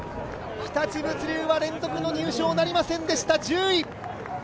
日立物流は連続の入賞なりませんでした、１０位。